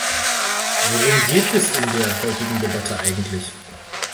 Worum geht es in der heutigen Debatte eigentlich?